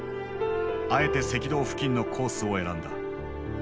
あえて赤道付近のコースを選んだ。